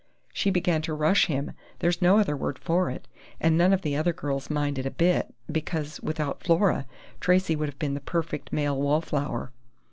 She began to rush him there's no other word for it and none of the other girls minded a bit, because, without Flora, Tracey would have been the perfect male wallflower.